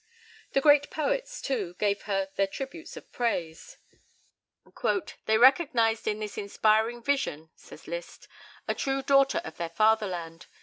The great poets, too, gave her their tributes of praise. "They recognized in this inspiring vision," says Liszt, "a true daughter of their fatherland.